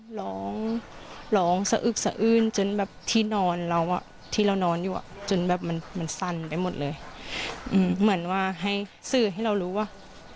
ร้องร้องสะอึกสะอื้นจนแบบที่นอนเราอ่ะที่เรานอนอยู่อ่ะจนแบบมันสั่นไปหมดเลยเหมือนว่าให้สื่อให้เรารู้ว่า